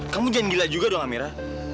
kamu jangan gila juga dong kamera